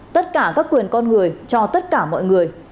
tất cả các quyền con người cho tất cả mọi người